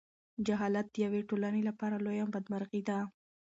جهالت د یوې ټولنې لپاره لویه بدمرغي ده.